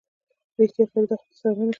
رښتيا فريده خو درسره نه نښلي.